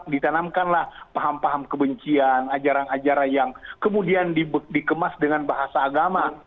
ditanamkanlah paham paham kebencian ajaran ajaran yang kemudian dikemas dengan bahasa agama